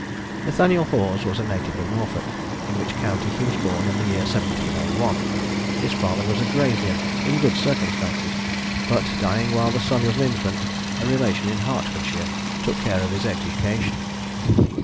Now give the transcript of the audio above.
Nathaniel Hawes was a native of Norfolk, in which county he was born in the year 1701. His father was a grazier in good circumstances; but dying while the son was an infant, a relation in Hertfordshire took care of his education.